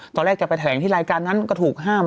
แกไปแถลงที่รายการนั้นก็ถูกห้าม